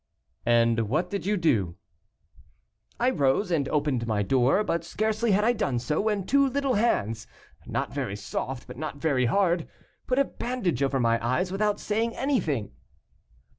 "And what did you do?" "I rose and opened my door, but scarcely had I done so, when two little hands, not very soft, but not very hard, put a bandage over my eyes, without saying anything."